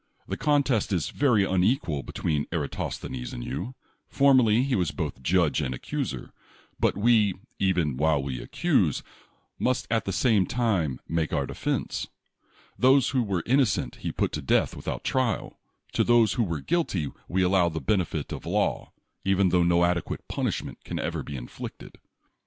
The contest is very unequal between Eratos thenes and you. Formerly he was both judge and accuser ; but we, even while we accuse, must at the same time make our defense. Those who were innocent he put to death without trial. To those who are guilty we allow the benefit of law, even tho no adequate punishment can ever be inflicted.